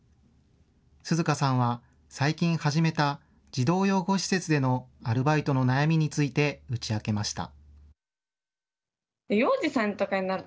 涼花さんは最近、始めた児童養護施設でのアルバイトの悩みについて打ち明けました。